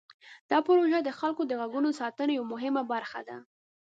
دا پروژه د خلکو د غږونو د ساتنې یوه مهمه برخه ده.